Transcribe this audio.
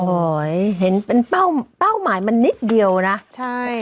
โอ้ยเห็นเป็นเป้าหมายมานิดเดียวนะใช่